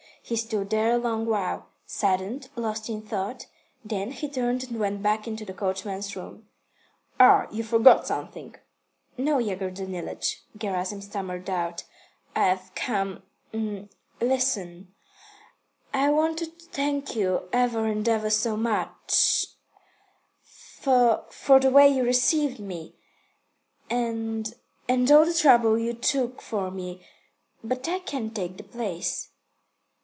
He stood there a long while, saddened, lost in thought, then he turned and went back into the coachman's room. "Ah, you forgot something?" "No, Yegor Danilych." Gerasim stammered out, "I've come listen I want to thank you ever and ever so much for the way you received me and and all the trouble you took for me but I can't take the place."